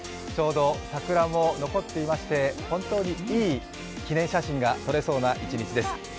ちょうど桜も残っていまして本当にいい記念写真が撮れそうな一日です。